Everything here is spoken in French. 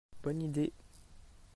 Bonne idée.